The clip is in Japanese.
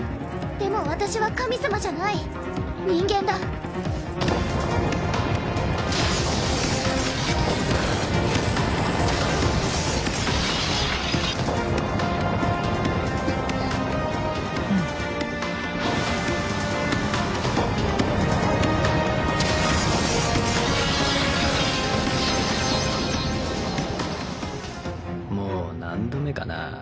でも私は神様じゃない人間だんっんっもう何度目かな。